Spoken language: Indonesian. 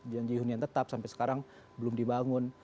janji hunian tetap sampai sekarang belum dibangun